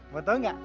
mau tau gak